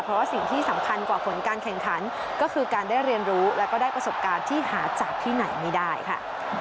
เพราะว่าสิ่งที่สำคัญกว่าผลการแข่งขันก็คือการได้เรียนรู้แล้วก็ได้ประสบการณ์ที่หาจากที่ไหนไม่ได้ค่ะ